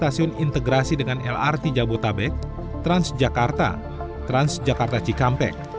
kcjd menggunakan integrasi dengan lrt jabotabek transjakarta transjakarta cikampek